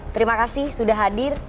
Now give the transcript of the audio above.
terima kasih sudah hadir